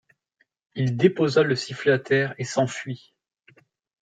Il déposa le sifflet à terre et s’enfuit.